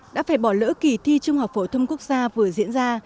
đã phải bỏ lỡ kỳ thi trung học phổ thông quốc gia vừa diễn ra